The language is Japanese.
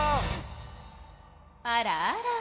あらあら。